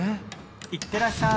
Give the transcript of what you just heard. いってらっしゃい！